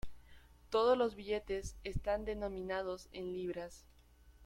Todos los billetes están denominados en libras.